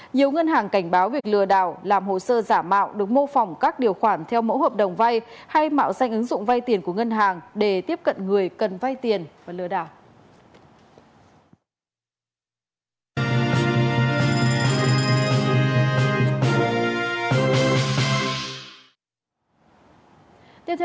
nhiều ngân hàng cảnh báo việc lừa đảo làm hồ sơ giả mạo được mô phỏng các điều khoản theo mẫu hợp đồng vay hay mạo danh ứng dụng vay tiền của ngân hàng để tiếp cận người cần vay tiền và lừa đảo